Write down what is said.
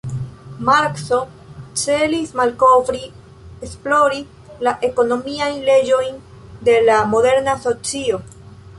Markso celis malkovri, esplori la ekonomiajn leĝojn de la moderna socio.